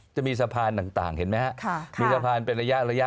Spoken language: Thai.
จะมีสะพานต่างเห็นไหมฮะมีสะพานเป็นระยะ